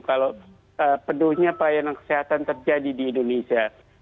kalau penuhnya pelayanan kesehatan terjadi di indonesia